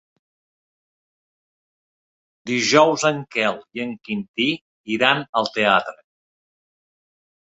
Dijous en Quel i en Quintí iran al teatre.